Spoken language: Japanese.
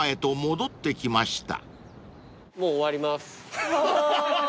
もう終わります。